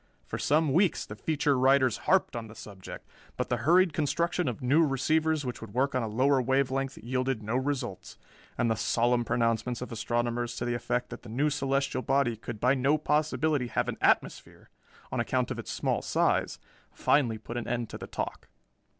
For some weeks the feature writers harped on the subject, but the hurried construction of new receivers which would work on a lower wave length yielded no results, and the solemn pronouncements of astronomers to the effect that the new celestial body could by no possibility have an atmosphere on account of its small size finally put an end to the talk.